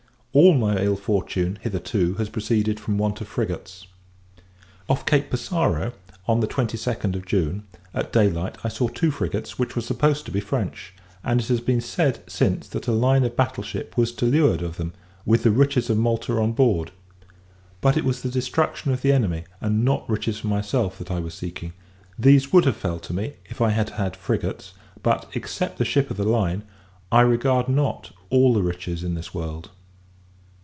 All my ill fortune, hitherto, has proceeded from want of frigates. Off Cape Passaro, on the twenty second of June, at day light, I saw two frigates, which were supposed to be French; and it has been said, since, that a line of battle ship was to leeward of them, with the riches of Malta on board. But it was the destruction of the enemy, and not riches for myself, that I was seeking: these would have fell to me, if I had had frigates; but, except the ship of the line, I regard not all the riches in this world.